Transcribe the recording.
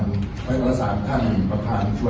ได้ความอาศิลปกปรุงในความอาศิลปะ